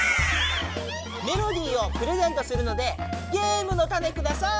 メロディーをプレゼントするのでゲームのタネください！